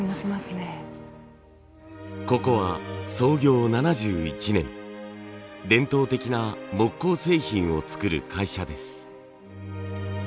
ここは創業７１年伝統的な木工製品を作る会社です。